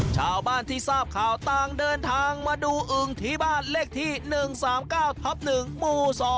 ชาวบ้านที่ทราบข่าวต่างเดินทางมาดูอึงที่บ้านเลขที่๑๓๙ทับ๑หมู่๒